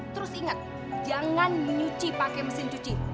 terus ingat jangan menyuci pakai mesin cuci